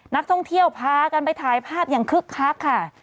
นักท่องเที่ยวพากันไปถ่ายภาพอย่างคึกคักค่ะ